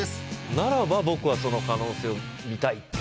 ならば僕はその可能性を見たい。